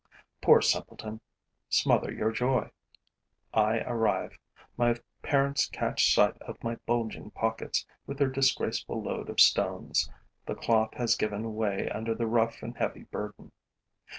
Poor simpleton, smother your joy! I arrive. My parents catch sight of my bulging pockets, with their disgraceful load of stones. The cloth has given way under the rough and heavy burden.